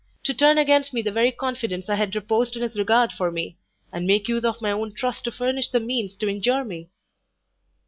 to turn against me the very confidence I had reposed in his regard for me! and make use of my own trust to furnish the means to injure me!"